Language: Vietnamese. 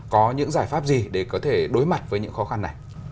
có những giải pháp gì để có thể đối mặt với những khó khăn này